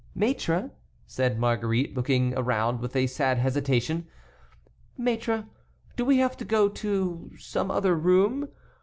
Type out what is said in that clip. "Maître," said Marguerite, looking around with a sad hesitation, "Maître, do we have to go to some other room?